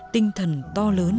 tinh thần to lớn